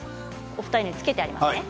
お二人のはつけてありますね。